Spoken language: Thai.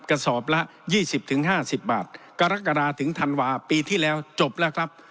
กระสอบละยี่สิบถึงห้าสิบบาทกรกราถึงธันวาคมปีที่แล้วจบแล้วครับ